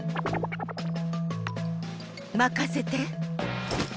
まかせて。